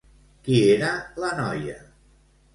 Qui era la noia?